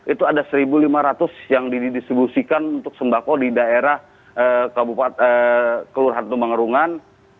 itu ada satu lima ratus yang didistribusikan untuk sembako di daerah kelurahan tumbang ngerungan